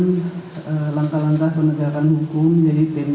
dan langkah langkahnya ini juga diatur jadi kita bisa melakukan